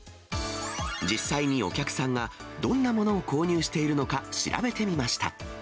実際にお客さんがどんなものを購入しているのか、調べてみました。